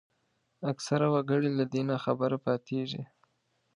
اکثره وګړي له دې ناخبره پاتېږي